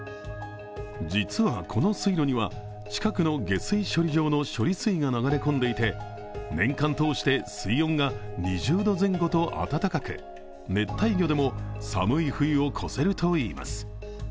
実はこの水路には近くの下水処理場の処理水が流れ込んでいて年間通して水温が２０度前後と温かく、熱帯魚でも寒い冬を越せるといいます。